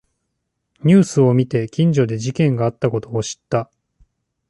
ニュースを見て近所で事件があったことを知った